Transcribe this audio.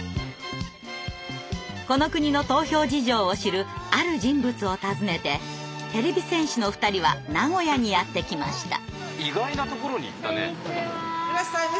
この国の投票事情を知るある人物を訪ねててれび戦士の２人は名古屋にやって来ました。